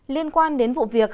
liên quan đến vụ việc